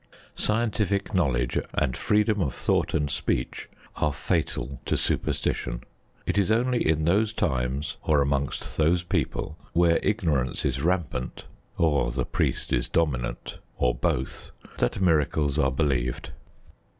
Scientific knowledge and freedom of thought and speech are fatal to superstition. It is only in those times, or amongst those people, where ignorance is rampant, or the priest is dominant, or both, that miracles are believed.